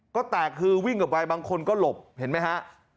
ก็แตกคือวิ่งกลับไปบางคนก็หลบเห็นไหมฮะ